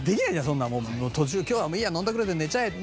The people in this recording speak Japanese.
そんなもう途中で今日はもういいや飲んだくれて寝ちゃえって。